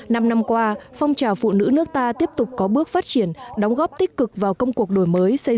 năm năm qua phong trào phụ nữ nước ta tiếp tục có bước phát triển đóng góp tích cực vào công cuộc đổi mới